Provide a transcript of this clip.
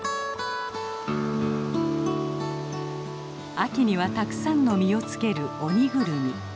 秋にはたくさんの実をつけるオニグルミ。